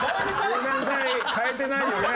「柔軟剤変えてないよね？」。